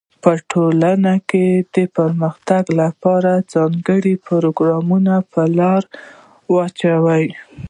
په ټولنه کي د پرمختګ لپاره ځانګړي پروګرامونه په لاره واچوی.